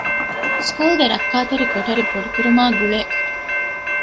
ސްކޫލުގެ ރައްކާތެރި ކޮޓަރި ބޮޑުކުރުމާއި ގުޅޭ